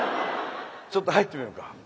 ちょっと入ってみようか。